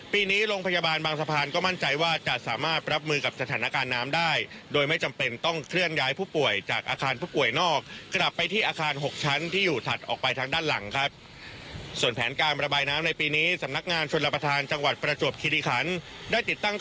ปีนี้โรงพยาบาลบางสะพานก็มั่นใจว่าจะสามารถรับมือกับสถานการณ์น้ำได้